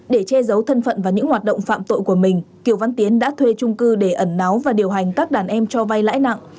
để che giấu thân phận và những hoạt động phạm tội của mình kiều văn tiến đã thuê trung cư để ẩn náu và điều hành các đàn em cho vay lãi nặng